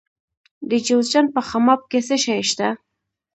د جوزجان په خماب کې څه شی شته؟